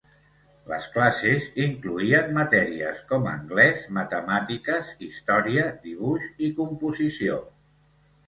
Les classes incloïen matèries com anglès, matemàtiques, història, dibuix i composició.